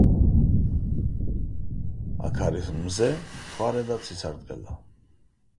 აქ არის მზე მთვარე და ცისარტყელა